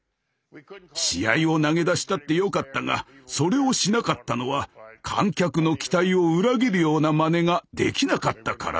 試合を投げ出したってよかったがそれをしなかったのは観客の期待を裏切るようなまねができなかったからです。